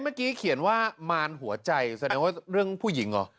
เมื่อกี้เขียนว่ามารหัวใจแสดงว่าเรื่องผู้หญิงเหรอ